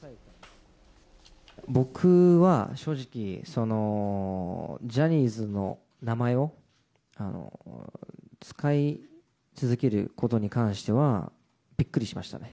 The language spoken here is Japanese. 僕は正直、ジャニーズの名前を使い続けることに関しては、びっくりしましたね。